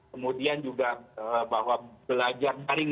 kemudian juga bahwa belajar daring